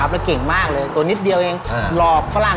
เราจำได้ว่าน้อง